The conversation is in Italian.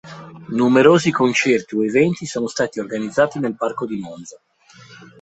Numerosi concerti o eventi sono stati organizzati nel Parco di Monza.